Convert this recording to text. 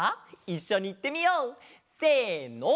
いっしょにいってみよう！せの。